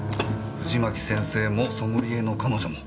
藤巻先生もソムリエの彼女も。